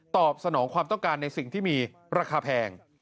ตอบสนองความต้องการในสิ่งที่มีราคาแพง